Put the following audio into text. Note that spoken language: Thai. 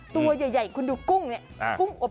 ตัวใหญ่คุณดูกุ้งเนี่ย